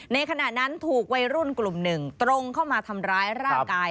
ขณะนั้นถูกวัยรุ่นกลุ่มหนึ่งตรงเข้ามาทำร้ายร่างกาย